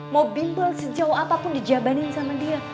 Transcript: mau bimbel sejauh apapun dijabanin sama dia